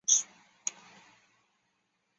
民主党黄坚成宣布本届不参选。